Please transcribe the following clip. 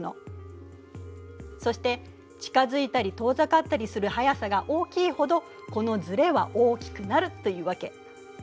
そして近づいたり遠ざかったりする速さが大きいほどこのずれは大きくなるというわけ。